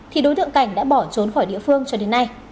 thì đối tượng cảnh đã bỏ trốn khỏi địa phương cho đến nay